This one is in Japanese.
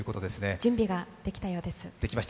準備ができたようです。